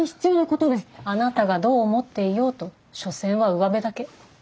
あなたがどう思っていようと所詮はうわべだけ。